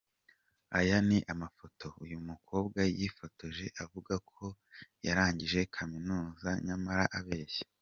Aya ni amafoto uyu mukobwa yifotoje avuga ko yarangije Kaminuza nyamara abeshya.